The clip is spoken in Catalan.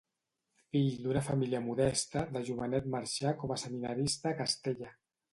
Fill d'una família modesta, de jovenet marxà com a seminarista a Castella.